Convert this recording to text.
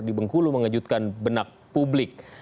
di bengkulu mengejutkan benak publik